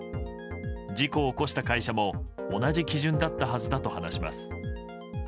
事故を起こした会社も同じ基準だったはずだと話します。